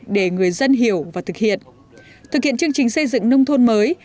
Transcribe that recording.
để người dân hiểu và thực hiện thực hiện chương trình xây dựng nông thôn mới